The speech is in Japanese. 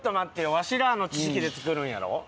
わしらの知識で作るんやろ？